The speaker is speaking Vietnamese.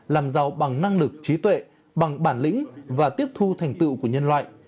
làm giàu bằng năng lực trí tuệ bằng bản lĩnh và tiếp thu thành tựu của nhân loại